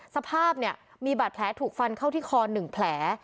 สภาพเนี่ยมีบาดแผลถูกฟันเข้าที่คอ๑แผล